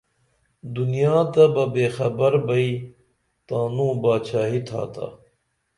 دنیا تہ بے خبر بئی تانوں بادشاہی تھاتا